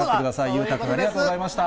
裕太君、ありがとうございました。